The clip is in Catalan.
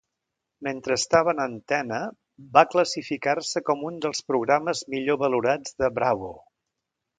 Mentre estava en antena, va classificar-se com un dels programes millor valorats de Bravo.